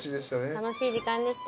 楽しい時間でした。